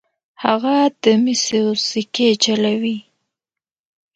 هغه د مسو سکې چلولې.